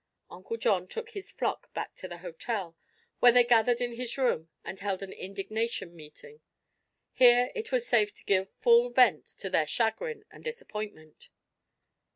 Uncle John took his flock back to the hotel, where they gathered in his room and held an indignation meeting. Here it was safe to give full vent to their chagrin and disappointment.